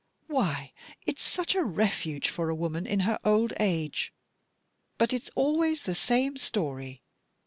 Why, it's such a refuge for a woman in her old age. But it's always the same story.